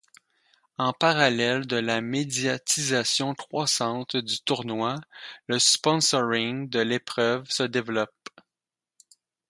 En parallèle de la médiatisation croissante du tournoi, le sponsoring de l'épreuve se développe.